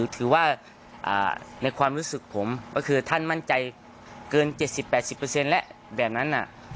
ถือว่าในความรู้สึกผมก็คือท่านมั่นใจเกิน๗๐๘๐แล้วแบบนั้น